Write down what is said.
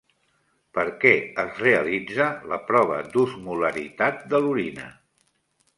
Per què es realitza la prova d'osmolaritat de l'orina?